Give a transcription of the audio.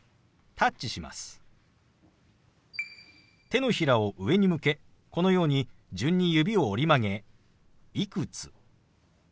手のひらを上に向けこのように順に指を折り曲げ「いくつ」。